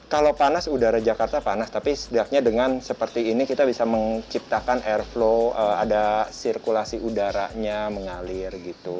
kalau panas udara jakarta panas tapi setidaknya dengan seperti ini kita bisa menciptakan air flow ada sirkulasi udaranya mengalir gitu